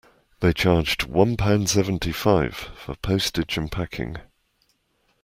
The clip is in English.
They charged one pound seventy-five for postage and packing